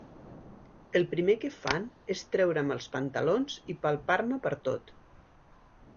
El primer que fan és treure'm els pantalons i palpar-me pertot.